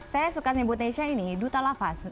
saya suka sebut nesha ini duta lafaz